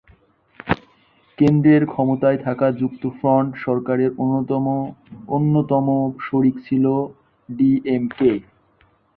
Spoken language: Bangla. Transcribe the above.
কেন্দ্রের ক্ষমতায় থাকা যুক্তফ্রন্ট সরকারের অন্যতম অন্যতম শরিক ছিল ডিএমকে।